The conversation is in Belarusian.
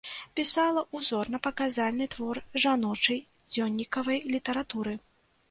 Пісала ўзорна-паказальны твор жаночай дзённікавай літаратуры.